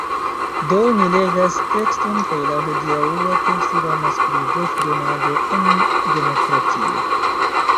Do, ni legas tekston kaj la hodiaŭa teksto temas pri voĉdonado en demokratio